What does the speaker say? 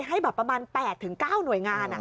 ให้ประมาณ๘หรือ๙หน่วยงาน